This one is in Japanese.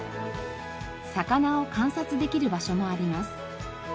魚を観察できる場所もあります。